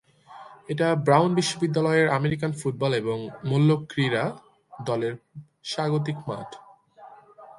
এটা ব্রাউন বিশ্ববিদ্যালয়ের American football এবং মল্লক্রীড়া দলের স্বাগতিক মাঠ।